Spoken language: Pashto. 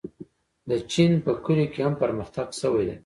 د چین په کلیو کې هم پرمختګ شوی دی.